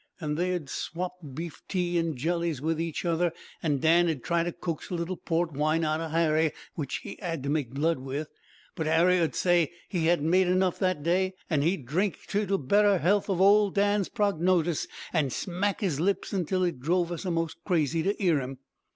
An' they 'ud swop beef tea an' jellies with each other, an' Dan 'ud try an' coax a little port wine out o' Harry, which he 'ad to make blood with, but Harry 'ud say he hadn't made enough that day, an' he'd drink to the better health of old Dan's prognotice, an' smack his lips until it drove us a'most crazy to 'ear him.